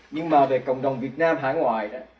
nhưng mà về cộng đồng việt nam hãng ngoài